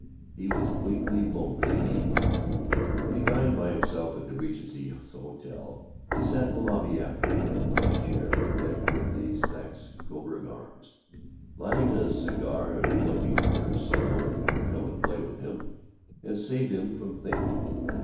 He was bleakly lonely in the evening, when he dined by himself at the Regency Hotel. He sat in the lobby afterward, in a plush chair bedecked with the Saxe Coburg arms, lighting a cigar and looking for some one who would come and play with him and save him from thinking.